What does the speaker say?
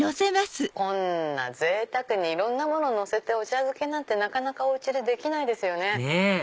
こんなぜいたくにいろんなもののせてお茶漬けなかなかお家でできないですね。ねぇ！